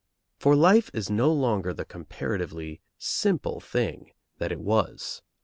For life is no longer the comparatively simple thing it was.